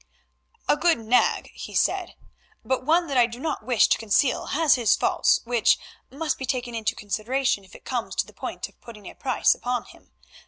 "A good nag," he said, "but one that I do not wish to conceal has his faults, which must be taken into consideration if it comes to the point of putting a price upon him.